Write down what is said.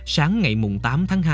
sáng ngày mùng tám tháng hai